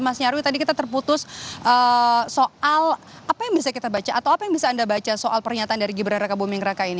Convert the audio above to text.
mas nyarwi tadi kita terputus soal apa yang bisa kita baca atau apa yang bisa anda baca soal pernyataan dari gibran raka buming raka ini